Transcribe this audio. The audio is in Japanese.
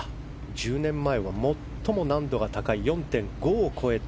１０年前は最も難度の高い４．５を超えた